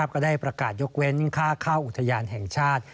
ก็ได้ประกาศยกเว้นค่าเข้าอุทยานแห่งชาติ